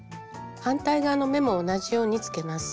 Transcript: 反対側の目も同じようにつけます。